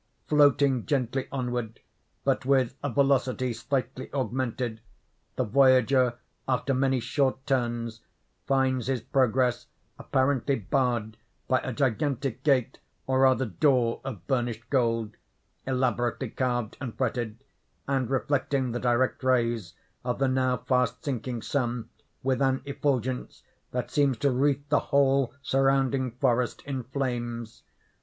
Floating gently onward, but with a velocity slightly augmented, the voyager, after many short turns, finds his progress apparently barred by a gigantic gate or rather door of burnished gold, elaborately carved and fretted, and reflecting the direct rays of the now fast sinking sun with an effulgence that seems to wreath the whole surrounding forest in flames.